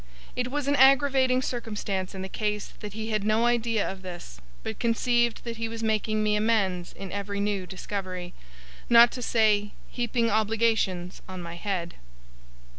It was an aggravating circumstance in the case that he had no idea of this, but conceived that he was making me amends in every new discovery: not to say, heaping obligations on my head.